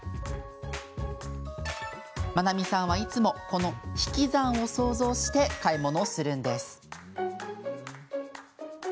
まなみさんはいつも、この引き算を想像して買い物をするんです。